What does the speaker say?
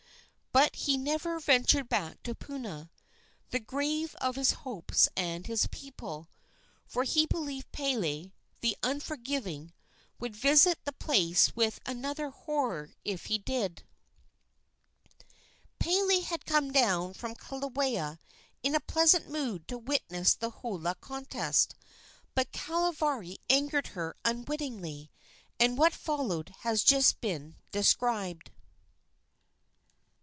But he never ventured back to Puna, the grave of his hopes and his people, for he believed Pele, the unforgiving, would visit the place with another horror if he did. Pele had come down from Kilauea in a pleasant mood to witness the holua contest; but Kahavari angered her unwittingly, and what followed has just been described.